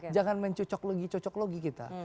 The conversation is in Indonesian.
jangan mencocok lagi cocok lagi kita